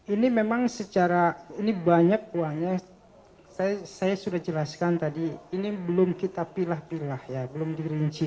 ini memang secara ini banyak uangnya saya sudah jelaskan tadi ini belum kita pilah pilah ya belum dirinci